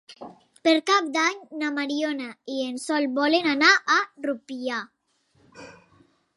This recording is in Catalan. Per Cap d'Any na Mariona i en Sol volen anar a Rupià.